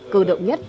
cơ động nhất